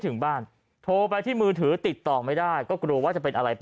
ถึงบ้านโทรไปที่มือถือติดต่อไม่ได้ก็กลัวว่าจะเป็นอะไรไป